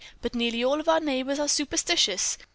But nearly all of our neighbors are superstitious.